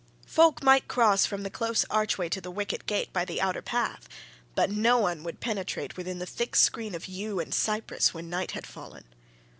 Folk might cross from the close archway to the wicket gate by the outer path, but no one would penetrate within the thick screen of yew and cypress when night had fallen.